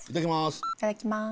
いただきます！